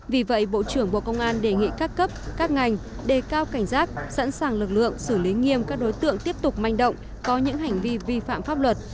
vì vậy bộ trưởng bộ công an đề nghị các cấp các ngành đề cao cảnh giác sẵn sàng lực lượng xử lý nghiêm các đối tượng tiếp tục manh động có những hành vi vi phạm pháp luật